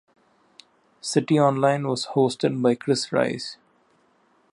"CityOnline" was hosted by Kris Reyes.